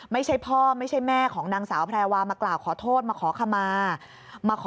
ไม่ใช่พ่อไม่ใช่แม่ของนางสาวแพรวามากล่าวขอโทษมาขอขมาขอ